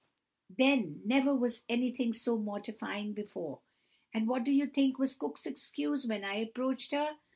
"There never was anything so mortifying before. And what do you think was Cook's excuse, when I reproached her?